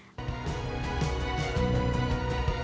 itu sesuatu yang sangat close